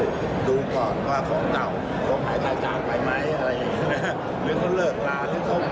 หรือเขาเลิกร้านหรือเขาไม่รู้แล้วอะไรอย่างเงี้ยค่อยค่อยไปเรื่อยเรื่อยข้างใจอย่างเงี้ย